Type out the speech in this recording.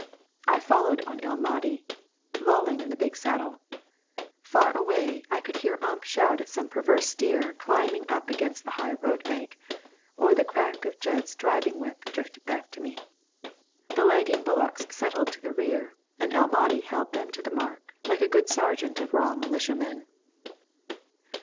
I followed on El Mahdi, lolling in the big saddle. Far away, I could hear Ump shout at some perverse steer climbing up against the high road bank, or the crack of Jud's driving whip drifted back to me. The lagging bullocks settled to the rear, and El Mahdi held them to the mark like a good sergeant of raw militiamen.